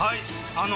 あの。